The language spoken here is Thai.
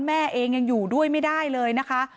แม่เองยังอยู่ด้วยไม่ได้เลยนะคะ